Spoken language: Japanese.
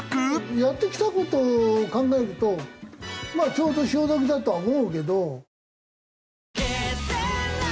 やってきた事を考えるとまあちょうど潮時だとは思うけど。